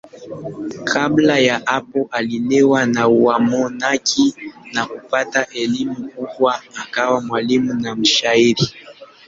Kabla ya hapo alilelewa na wamonaki na kupata elimu kubwa akawa mwalimu na mshairi.